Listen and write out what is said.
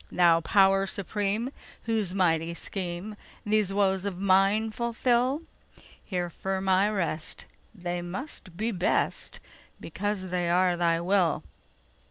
Thou Power Supreme, whose mighty schemeThese woes of mine fulfil, Here firm I rest; they must be best, Because they are Thy will!